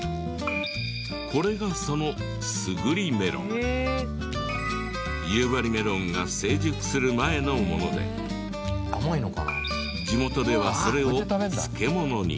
これがその夕張メロンが成熟する前のもので地元ではそれを漬物に。